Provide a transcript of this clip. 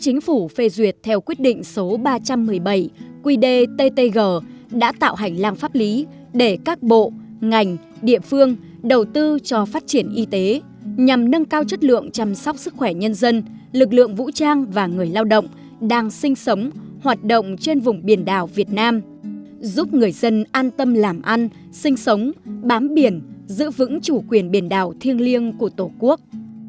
chính phủ phê duyệt theo quyết định số ba trăm một mươi bảy quy đề ttg đã tạo hành lang pháp lý để các bộ ngành địa phương đầu tư cho phát triển y tế nhằm nâng cao chất lượng chăm sóc sức khỏe nhân dân lực lượng vũ trang và người lao động đang sinh sống hoạt động trên vùng biển đảo việt nam giúp người dân an tâm làm ăn sinh sống bám biển giữ vững chủ quyền biển đảo thiêng liêng của tổ quốc